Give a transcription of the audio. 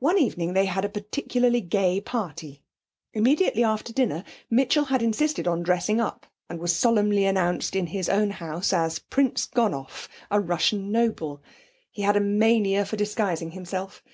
One evening they had a particularly gay party. Immediately after dinner Mitchell had insisted on dressing up, and was solemnly announced in his own house as Prince Gonoff, a Russian noble. He had a mania for disguising himself.